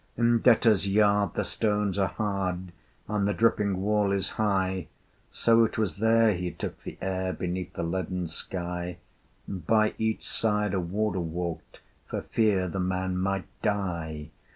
In Debtors' Yard the stones are hard, And the dripping wall is high, So it was there he took the air Beneath the leaden sky, And by each side a Warder walked, For fear the man might die.